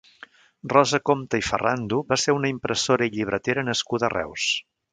Rosa Compte i Ferrando va ser una impressora i llibretera nascuda a Reus.